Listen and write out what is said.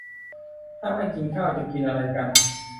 ถ้าไม่กินข้าวจะกินอะไรกัน